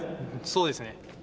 そうですね。